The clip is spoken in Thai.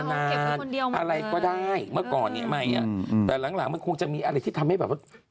นางยอมมานานอะไรก็ได้เมื่อก่อนยังไม่แต่หลังมันคงจะมีอะไรที่ทำให้แบบว่า